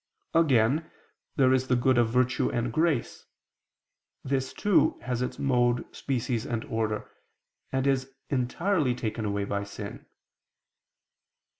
Again, there is the good of virtue and grace: this too has its mode, species and order, and is entirely taken away by sin.